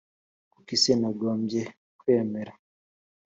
Kuki se nagombye kwemera